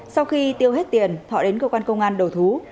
sau khi tiêu hết tiền thọ đến cơ quan công an đầu thú